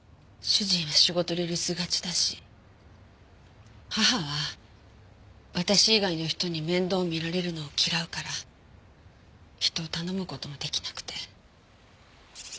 主人は仕事で留守がちだし義母は私以外の人に面倒を見られるのを嫌うから人を頼む事も出来なくて。